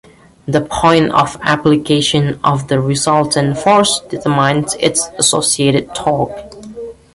The point of application of the resultant force determines its associated torque.